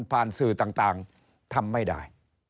ผ่านสื่อต่างทำไม่ได้